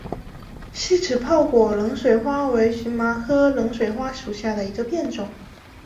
细齿泡果冷水花为荨麻科冷水花属下的一个变种。